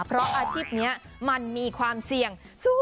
เพราะอาชีพนี้มันมีความเสี่ยงสูง